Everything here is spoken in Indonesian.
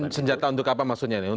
senjata untuk apa maksudnya ini